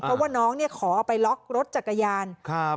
เพราะว่าน้องเนี่ยขอไปล็อกรถจักรยานครับ